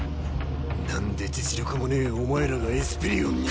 何で実力もねえお前らがエスペリオンに。